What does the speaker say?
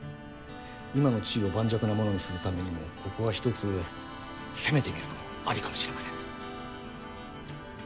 今の地位を盤石なものにするためにもここはひとつ攻めてみるのもアリかもしれませんね。